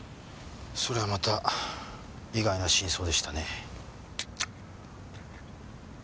それはまた意外な真相でしたね。